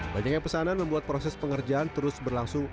banyak yang pesanan membuat proses pengerjaan terus berlangsung